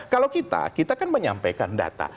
kalau kita kita kan menyampaikan data